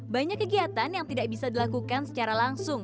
banyak kegiatan yang tidak bisa dilakukan secara langsung